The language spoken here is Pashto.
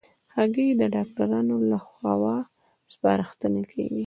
هګۍ د ډاکټرانو له خوا سپارښتنه کېږي.